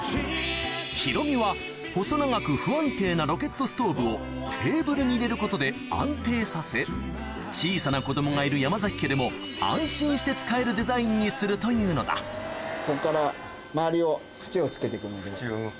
ヒロミは細長く不安定なロケットストーブをテーブルに入れることで安定させ小さな子どもがいる山崎家でも安心して使えるデザインにするというのだこっから。